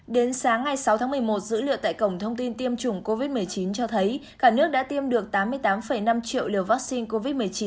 đến sáng ngày sáu tháng một mươi một dữ liệu tại cổng thông tin tiêm chủng covid một mươi chín cho thấy cả nước đã tiêm được tám mươi tám năm triệu liều vaccine covid một mươi chín